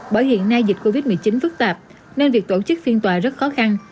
bởi hiện nay dịch covid một mươi chín phức tạp nên việc tổ chức phiên tòa rất khó khăn